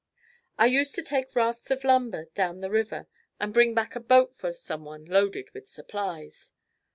I used to take rafts of lumber down the river and bring back a boat for someone loaded with supplies.